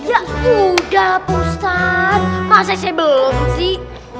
ya udah ustaz maksimal saya belum sih